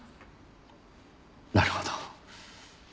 なるほど。